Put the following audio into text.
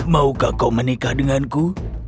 maukah kau menikah denganku